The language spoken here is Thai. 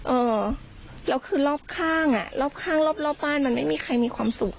เอ่อแล้วคือรอบข้างอ่ะรอบข้างรอบรอบบ้านมันไม่มีใครมีความสุข